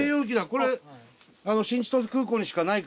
これ新千歳空港にしかないからね。